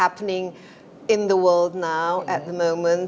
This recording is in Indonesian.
apa yang terjadi di dunia sekarang